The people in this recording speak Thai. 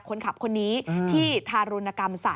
คนขับคนนี้ที่ทารุณกรรมสัตว์